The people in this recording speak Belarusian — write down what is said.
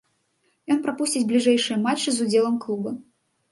Ён прапусціць бліжэйшыя матчы з удзелам клуба.